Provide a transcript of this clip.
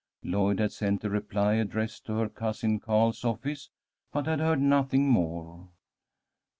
Lloyd had sent a reply addressed to her cousin Carl's office, but had heard nothing more.